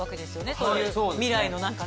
そういう未来の何かね。